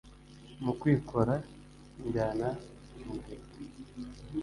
Mu kwikora njyana umuheto